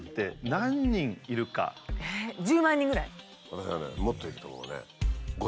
私はねもっといくと思うね。